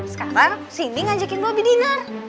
sekarang sindi ngajakin bubi diner